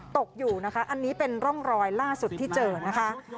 ตกอยู่นะคะอันนี้เป็นร่องรอยล่าสุดที่เจอนะคะ